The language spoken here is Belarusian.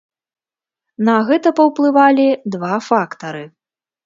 На гэта паўплывалі два фактары.